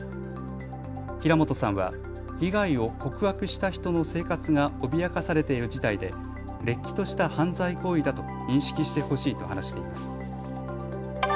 平本さんは被害を告白した人の生活が脅かされている事態でれっきとした犯罪行為だと認識してほしいと話しています。